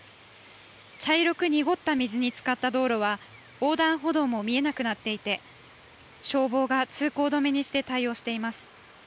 茶色く濁った水につかった道路は横断歩道も見えなくなっていて、消防が通行止めにして対応しています。